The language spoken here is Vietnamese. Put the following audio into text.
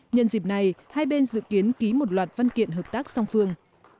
nhân dịp này hai bên dự kiến ký một loạt văn kiện hợp tác song phương